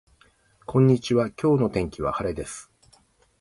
こんにちは今日の天気は晴れです